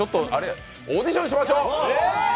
オーディションしましょう！